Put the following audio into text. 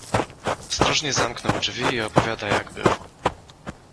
Ostrożnie zamknął drzwi i opowiada, jak było.